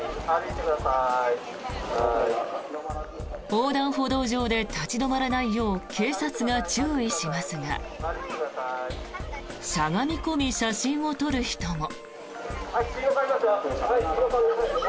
横断歩道上で立ち止まらないよう警察が注意しますがしゃがみ込み、写真を撮る人も。